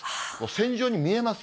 線状に見えます。